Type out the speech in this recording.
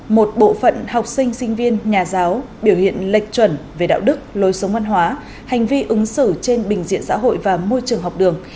một bộ phận học sinh sinh viên nhà giáo biểu hiện lệch chuẩn về đạo đức lối sống văn hóa hành vi ứng xử trên bình diện xã hội và môi trường học đường